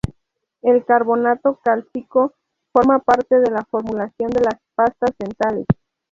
El carbonato cálcico forma parte de la formulación de las pastas dentales.